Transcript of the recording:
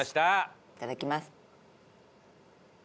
いただきます。